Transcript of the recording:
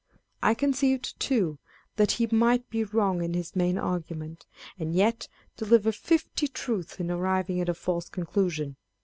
1 conceived, too, that he might be wrong in his main argument, and yet deliver fifty truths in arriving at a false conclusion.